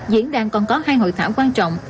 diễn đàn còn có hai hội thảo quan trọng